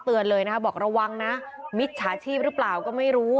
เลยนะคะบอกระวังนะมิจฉาชีพหรือเปล่าก็ไม่รู้